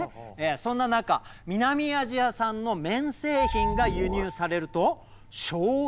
そんな中南アジア産の綿製品が輸入されると衝撃を受けます。